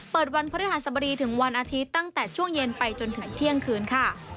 วันพฤหัสบดีถึงวันอาทิตย์ตั้งแต่ช่วงเย็นไปจนถึงเที่ยงคืนค่ะ